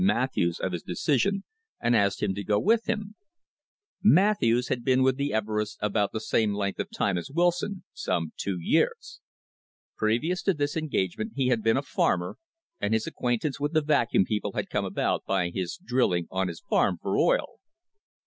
Matthews, of his decision, and asked him to go with him. Matthews had been with the Everests about the same length of time as Wilson some two years. Previous to this engagement he had been a farmer, and his acquaintance with the Vacuum people had come about by his drilling on his farm for oil.